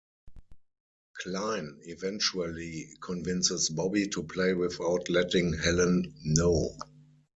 Klein eventually convinces Bobby to play without letting Helen know.